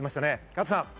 加藤さん。